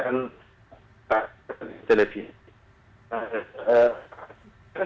dan di televisi